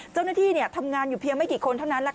เจ้าหน้าที่ทำงานอยู่เพียงไม่กี่คนเท่านั้น